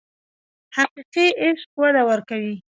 حقیقي عشق وده ورکوي.